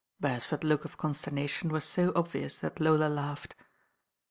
Beresford'a look of consternation was io obvious that Lola laughed.